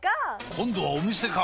今度はお店か！